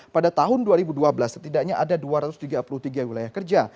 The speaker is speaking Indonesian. pada tahun dua ribu dua belas setidaknya ada dua ratus tiga puluh tiga wilayah kerja